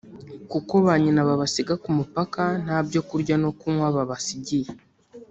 kuko ba nyina babasiga ku mupaka nta byo kurya no kunywa babasigiye